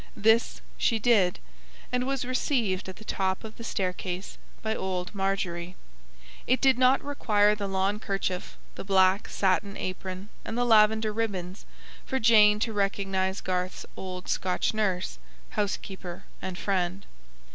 This she did, and was received at the top of the staircase by old Margery. It did not require the lawn kerchief, the black satin apron, and the lavender ribbons, for Jane to recognise Garth's old Scotch nurse, housekeeper, and friend.